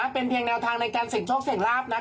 เป็นเพียงแนวทางในการสิ่งโชคสิ่งลาภมากนะคะ